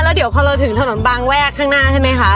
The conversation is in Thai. แล้วเดี๋ยวพอเราถึงถนนบางแวกข้างหน้าใช่ไหมคะ